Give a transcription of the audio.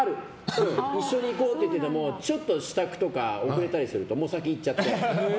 一緒に行こうって言っててもちょっと支度とか遅れたりすると先行っちゃって。